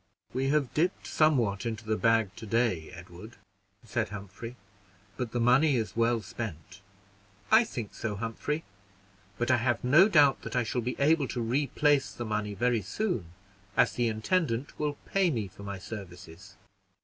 "We have dipped somewhat into the bag to day, Edward," said Humphrey, "but the money is well spent." "I think so, Humphrey; but I have no doubt that I shall be able to replace the money very soon, as the intendant will pay me for my services.